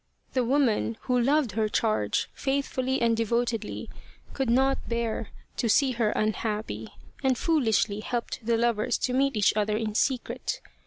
The woman, who loved her charge faithfully and devotedly, could not bear to see her unhappy, and foolishly helped the lovers to meet each other in secret.